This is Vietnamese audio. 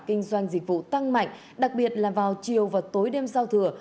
kinh doanh dịch vụ tăng mạnh đặc biệt là vào chiều và tối đêm giao thừa